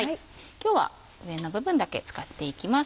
今日は上の部分だけ使っていきます。